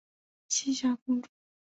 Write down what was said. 栖霞公主。